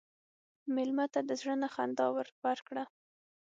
مېلمه ته د زړه نه خندا ورکړه.